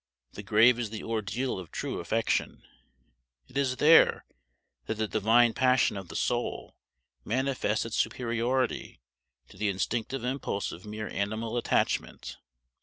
The grave is the ordeal of true affection. It is there that the divine passion of the soul manifests its superiority to the instinctive impulse of mere animal attachment.